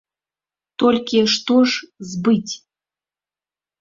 Толькі што ж збыць?